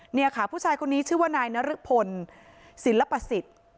เนี่ยค่ะผู้ชายคนนี้ชื่อว่านายนรพลศิลปสิทธิ์